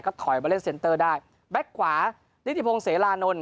ก็ถอยมาเล่นเซนตเตอร์ได้แบ็กขวาฤทธิโพงเสรานนน